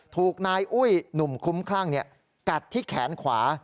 ถูกนายอุ้ยหนุ่มคุ้มคลั่งกัดที่แขนขวา